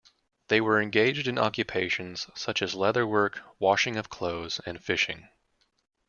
They were engaged in occupations such as leather work, washing of clothes and fishing.